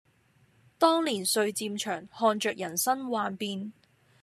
當年歲漸長，看著人生幻變